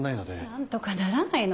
なんとかならないの？